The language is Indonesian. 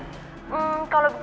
kalo begini caranya yaudah gapapa